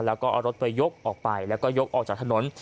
แล้วก็เอารถไปยกออกไปแล้วก็ยกออกจากถนน